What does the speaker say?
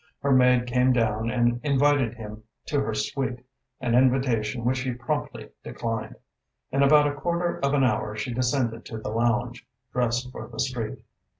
Her maid came down and invited him to her suite, an invitation which he promptly declined. In about a quarter of an hour she descended to the lounge, dressed for the street.